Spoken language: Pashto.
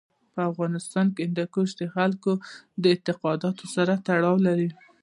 په افغانستان کې هندوکش د خلکو د اعتقاداتو سره تړاو لري.